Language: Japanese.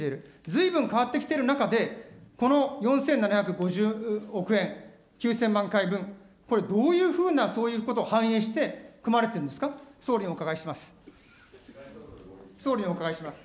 ずいぶん変わってきている中で、この４７５０億円、９０００万回分、これ、どういうふうなそういうことを反映して、組まれてるんですか、総理にお伺いします。